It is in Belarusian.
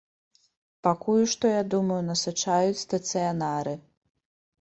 Пакуль што, я думаю, насычаюць стацыянары.